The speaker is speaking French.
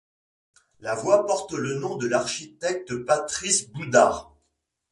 La voie porte le nom de l'architecte Patrice Boudard.